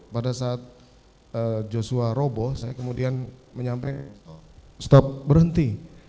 pada saat joshua robo saya kemudian menyampaikan stop berhenti